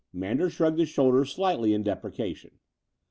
'' Manders shrugged his shoulders slightly in deprecation.